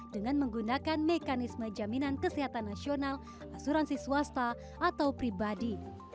dengan menggunakan mekanisme jaminan kesehatan nasional asuransi swasta atau pribadi